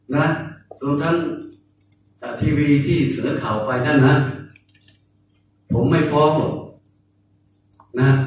ตรงทั้งทีวีที่เสื้อข่าวไปเนี่ยนะผมไม่ฟ้องหรอก